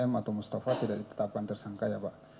m atau mustafa tidak ditetapkan tersangka ya pak